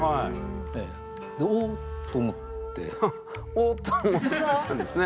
おっと思ったんですね。